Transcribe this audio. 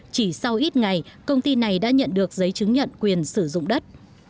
chỉ sau ít ngày công ty này đã nhận được giấy chứng nhận quyền sử dụng đất